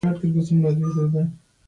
که موږ هوښیار شو، دا وطن به ودان شي.